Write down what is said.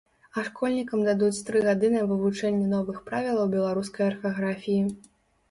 А школьнікам дадуць тры гады на вывучэнне новых правілаў беларускай арфаграфіі.